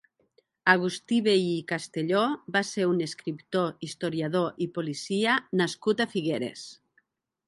Agustí Vehí i Castelló va ser un escriptor, historiador i policia nascut a Figueres.